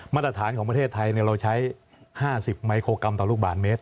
มาตรฐานของประเทศไทยเราใช้๕๐มิโครกรัมต่อลูกบาทเมตร